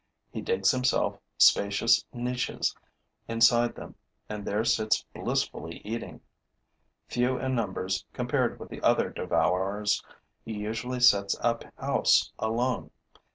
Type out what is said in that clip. He digs himself spacious niches inside them and there sits blissfully eating. Few in numbers, compared with the other devourers, he usually sets up house alone.